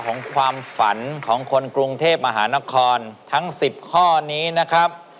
ของความฝันของคนกรุงเทพมหานครทั้ง๑๐ข้อนี้นะครับ